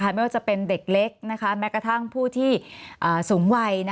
ไม่ว่าจะเป็นเด็กเล็กแม้กระทั่งผู้ที่สูงวัย